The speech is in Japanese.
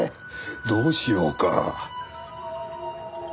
どうしようか？